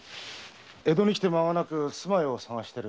江戸に来て間がなく住まいを探してる。